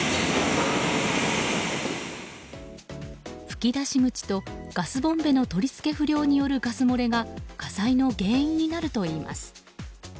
吹き出し口とガスボンベの取り付け不良によるガス漏れが火災の原因になるといいます。